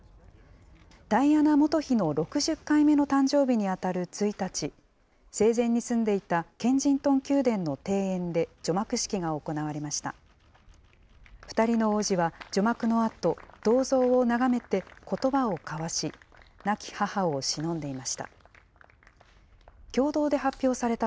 ダイアナ元妃の６０回目の誕生日に当たる１日、生前に住んでいたケンジントン宮殿の庭園で、除幕式が行われました。